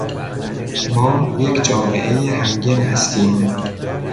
ما یک جامعه همگن هستیم.